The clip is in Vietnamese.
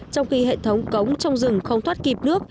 trong khi hệ thống cống trong rừng không thoát kịp nước